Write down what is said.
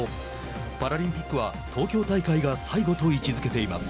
パラリンピックは東京大会が最後と位置づけています。